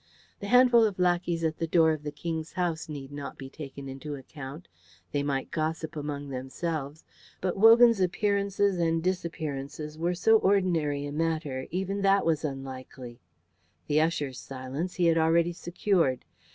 The handful of lackeys at the door of the King's house need not be taken into account. They might gossip among themselves, but Wogan's appearances and disappearances were so ordinary a matter, even that was unlikely. The usher's silence he had already secured.